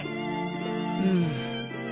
うん。